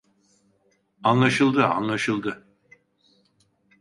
Anlaşıldı, anlaşıldı.